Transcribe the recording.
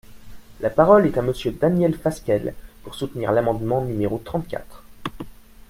La parole est à Monsieur Daniel Fasquelle, pour soutenir l’amendement numéro trente-quatre.